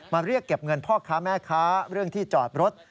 เรียกเก็บเงินพ่อค้าแม่ค้าเรื่องที่จอดรถ